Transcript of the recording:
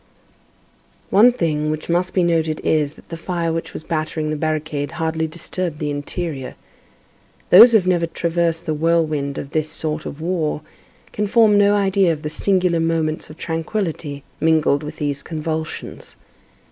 One thing which must be noted is, that the fire which was battering the barricade hardly disturbed the interior. Those who have never traversed the whirlwind of this sort of war can form no idea of the singular moments of tranquillity mingled with these convulsions.